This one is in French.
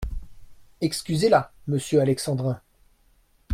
Excusez-la, monsieur Alexandrin…